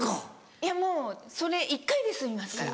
いやもうそれ１回で済みますから。